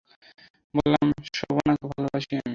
বললাম শোবানাকে ভালোবাসি আমি।